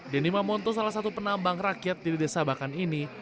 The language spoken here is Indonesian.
denny mamonto salah satu penambang rakyat di desa bakan ini